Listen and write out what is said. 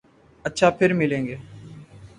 اچھا پھر ملیں گے۔